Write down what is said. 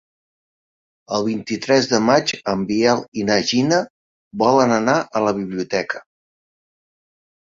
El vint-i-tres de maig en Biel i na Gina volen anar a la biblioteca.